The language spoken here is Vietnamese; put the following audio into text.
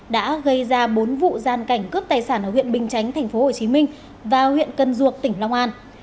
đã gây ra bốn vụ gian cảnh cướp tài sản ở huyện bình chánh tp hcm và huyện cần duộc tỉnh long an